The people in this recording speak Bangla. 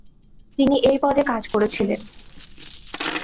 তিনি এই পদে কাজ করেছিলেন।